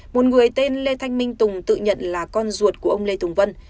một người tên lê thanh minh tùng tự nhận là con ruột của ông lê tùng vân